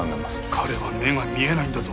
彼は目が見えないんだぞ